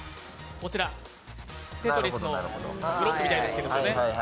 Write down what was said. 「テトリス」のブロックみたいですけども。